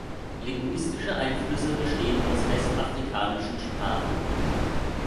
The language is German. Linguistische Einflüsse bestehen aus west-afrikanischen Sprachen.